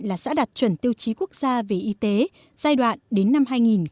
là xã đạt chuẩn tiêu chí quốc gia về y tế giai đoạn đến năm hai nghìn hai mươi